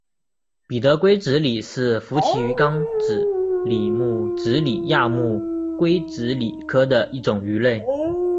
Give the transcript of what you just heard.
彼得桂脂鲤是辐鳍鱼纲脂鲤目脂鲤亚目鲑脂鲤科的一种鱼类。